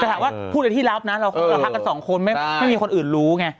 แต่ถามว่าพูดในที่รับนะเราพักกันสองคนไม่มีคนอื่นรู้ไง